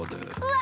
わ